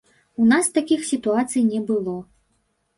У нас такіх сітуацый не было.